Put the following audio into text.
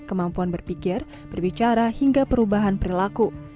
kemampuan berpikir berbicara hingga perubahan perilaku